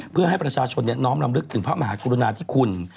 เพื่อให้ประชาชนน้อมรำลึกถึงพระมหากรุณาธิคุณ